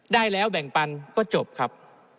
ได้แล้วแบ่งปันก็จบครับ